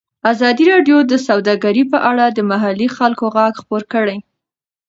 ازادي راډیو د سوداګري په اړه د محلي خلکو غږ خپور کړی.